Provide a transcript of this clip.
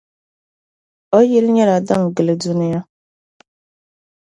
O yilli nyɛla din gili duniya.